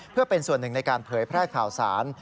เพื่อเป็นส่วนหนึ่งในการเผยแพร่ข่าวสาร